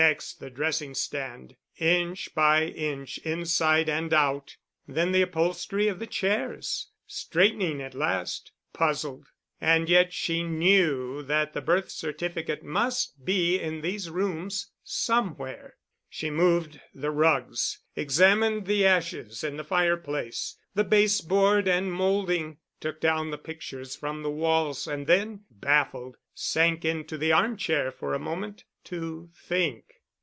Next, the dressing stand, inch by inch inside and out, then the upholstery of the chairs, straightening at last, puzzled. And yet she knew that the birth certificate must be in these rooms somewhere. She moved the rugs, examined the ashes in the fireplace, the base board and molding, took down the pictures from the walls and then, baffled, sank into the arm chair for a moment to think.